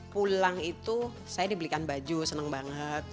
pulang itu saya dibelikan baju senang banget